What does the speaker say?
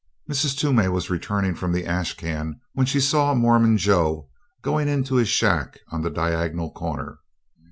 Mrs. Toomey was returning from the ash can when she saw Mormon Joe going into his shack on the diagonal corner.